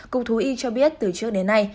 cục thú y cho biết từ trước đến nay